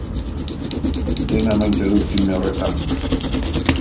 Dena maite dut film horretan.